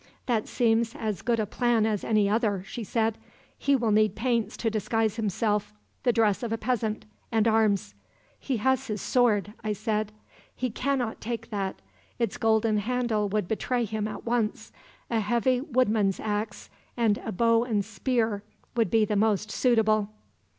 "'That seems as good a plan as any other,' she said. 'He will need paints to disguise himself, the dress of a peasant, and arms.' "'He has his sword,' I said. "'He cannot take that. Its golden handle would betray him, at once. A heavy woodman's ax, and a bow and spear, would be the most suitable.'